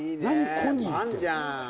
コニーって。